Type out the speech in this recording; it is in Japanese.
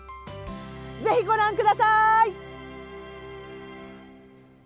ぜひご覧ください。